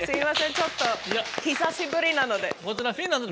ちょっとひさしぶりなので。